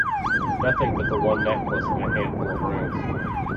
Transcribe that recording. Nothing but the one necklace and a handful of rings!